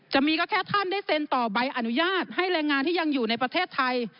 จะมีก็แค่ท่านได้เซ็นต่อใบอนุญาตให้แรงงานที่ยังอยู่ในประเทศไทย